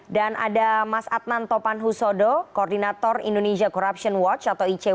dan ada mas adnan topanhusodo koordinator indonesia corruption watch atau icw